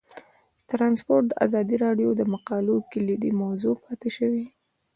ترانسپورټ د ازادي راډیو د مقالو کلیدي موضوع پاتې شوی.